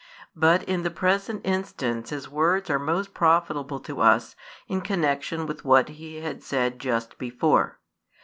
But in the present instance His words are most profitable to us in connection with what He had said just before.